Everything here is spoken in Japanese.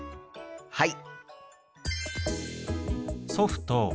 はい！